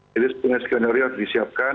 jadi sepenuhnya skenario yang disiapkan